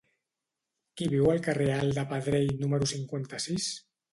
Qui viu al carrer Alt de Pedrell número cinquanta-sis?